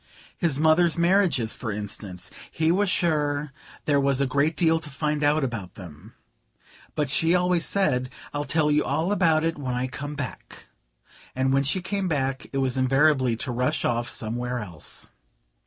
His mother's marriages, for instance: he was sure there was a great deal to find out about them. But she always said: "I'll tell you all about it when I come back" and when she came back it was invariably to rush off somewhere else.